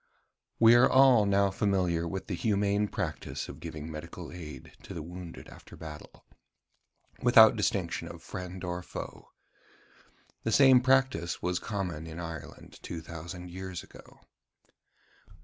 We are all now familiar with the humane practice of giving medical aid to the wounded after the battle, without distinction of friend or foe. The same practice was common in Ireland two thousand years ago.